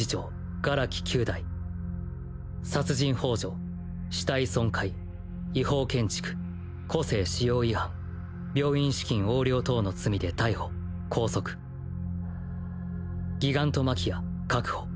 殻木球大殺人幇助死体損壊違法建築個性使用違反病院資金横領等の罪で逮捕・拘束ギガントマキア確保。